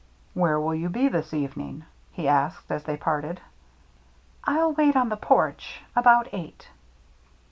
"Where will you be this evening?" he asked, as they parted. " I'll wait on the porch — about eight."